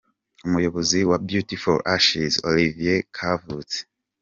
Umuyobozi wa Beauty For Ashes, Olivier Kavutse